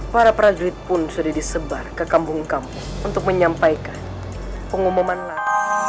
para prajurit pun sudah disebar ke kampung kampung untuk menyampaikan pengumuman lah